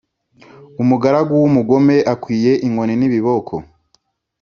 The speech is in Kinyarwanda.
umugaragu w’umugome akwiye inkoni n’ibiboko.